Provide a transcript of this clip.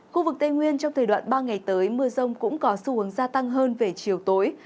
khu vực tây nguyên trong thời đoạn ba ngày tới mưa rông cũng có xu hướng gia tăng hơn về chiều tối